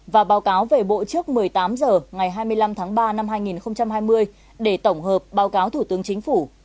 và báo cáo về bộ trước một mươi tám h ngày hai mươi năm tháng ba năm hai nghìn hai mươi để tổng hợp báo cáo thủ tướng chính phủ